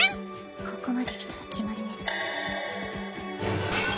ここまで来たら決まりね。